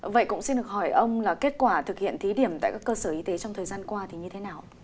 vậy cũng xin được hỏi ông là kết quả thực hiện thí điểm tại các cơ sở y tế trong thời gian qua thì như thế nào